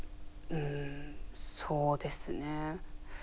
うんそうですね。